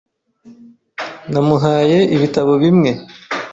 Namuhaye ibitabo bimwe.